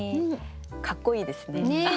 かっこいいですね。ね！